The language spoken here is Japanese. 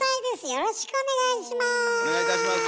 よろしくお願いします。